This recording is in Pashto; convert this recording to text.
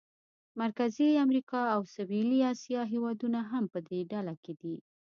مرکزي امریکا او سویلي اسیا هېوادونه هم په دې ډله کې دي.